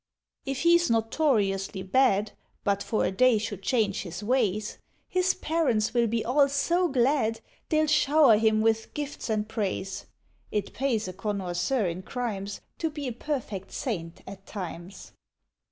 If he's notoriously bad, But for a day should change his ways, His parents will be all so glad, They'll shower him with gifts and praise! (It pays a connoisseur in crimes To be a perfect saint at times.)